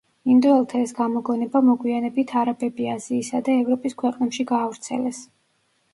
ინდოელთა ეს გამოგონება მოგვიანებით არაბები აზიისა და ევროპის ქვეყნებში გაავრცელეს.